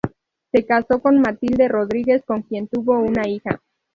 Se casó con Matilde Rodríguez con quien tuvo una hija.